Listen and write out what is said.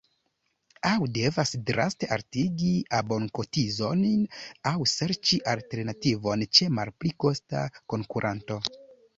Aŭ devas draste altigi abonkotizojn aŭ serĉi alternativon ĉe malpli kosta konkuranto.